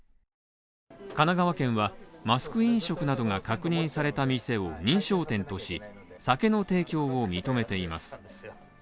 神奈川県はマスク飲食などが確認された店を認証店とし、酒の提供を認めています。